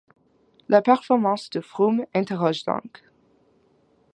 La performance de Froome interroge donc.